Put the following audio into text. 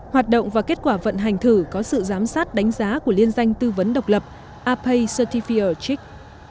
hoạt động và kết quả vận hành thử có sự giám sát đánh giá của liên danh tư vấn độc lập apei certified check